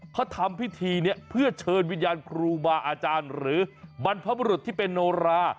เขาทำพิธีนี้เพื่อเชิญวิญญาณครูบาอาจารย์หรือบรรพบุรุษที่เป็นโนรา